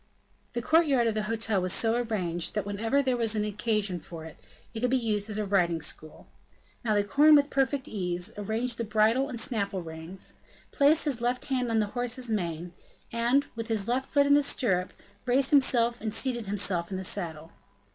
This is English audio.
The courtyard of the hotel was so arranged, that whenever there was any occasion for it, it could be used as a riding school. Malicorne, with perfect ease, arranged the bridle and snaffle reins, placed his left hand on the horse's mane, and, with his foot in the stirrup, raised himself and seated himself in the saddle.